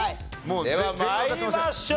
では参りましょう。